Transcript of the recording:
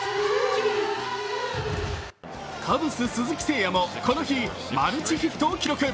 カブス・鈴木誠也もこの日、マルチヒットを記録。